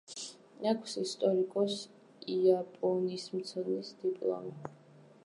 აქვს ისტორიკოს–იაპონიისმცოდნის დიპლომი.